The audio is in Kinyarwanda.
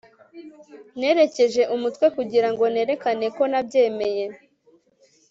nerekeje umutwe kugira ngo nerekane ko nabyemeye